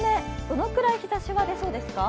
どのくらい日ざしは出そうですか？